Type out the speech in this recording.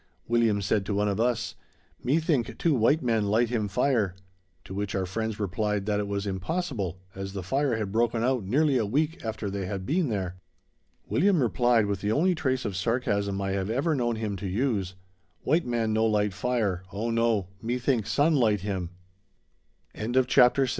William said to one of us: "Me think two white man light him fire"; to which our friends replied that it was impossible, as the fire had broken out nearly a week after they had been there. William replied, with the only trace of sarcasm I have ever known him to use: "White man no light fire, oh no, me think sun light him." CHAPTER VII. _The Wild